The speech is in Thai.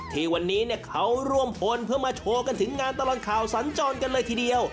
ที่วันนี้เขาร่วมพลเพื่อมาโชว์กันถึงงานตลอดข่าวสัญจรกันเลยทีเดียว